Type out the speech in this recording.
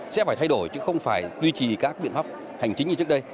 sẽ phải thay đổi chứ không phải duy trì các biện pháp hành chính như trước đây